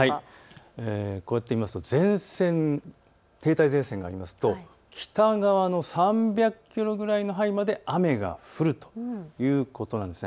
こうやって見ますと停滞前線がありますと北側の３００キロぐらいの範囲まで雨が降るということなんです。